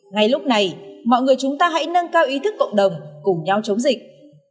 ngay lúc này mọi người chúng ta hãy nâng cao ý thức cộng đồng cùng nhau chống dịch